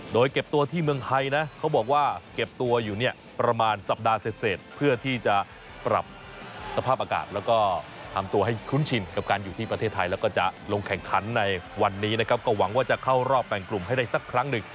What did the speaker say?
โดยเก็บตัวที่เมืองไทยนะเขาบอกว่าเก็บตัวอยู่เนี่ยประมาณสัปดาห์เสร็จเพื่อที่จะปรับสภาพอากาศแล้วก็ทำตัวให้คุ้นชินกับการอยู่ที่ประเทศไทยแล้วก็จะลงแข่งขันในวันนี้นะครับก็หวังว่าจะเข้ารอบแบ่งกลุ่มให้ได้สักครั้งหนึ่ง